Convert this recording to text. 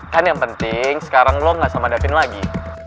kan yang penting sekarang lo ga sama davin lagi